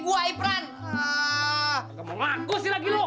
gak mau ngaku sih lagi lo